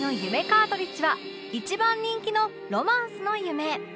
カートリッジは一番人気のロマンスの夢